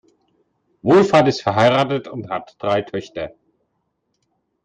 Wohlfahrt ist verheiratet und hat drei Töchter.